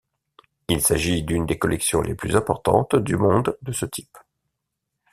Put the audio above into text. Il s'agit d'une des collections les plus importantes du monde de ce type.